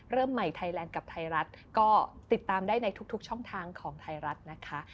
เริ่มใหม่ไทยแลนด์กับไทยรัฐก็ติดตามได้ในทุกช่องทางของไทยรัฐนะคะ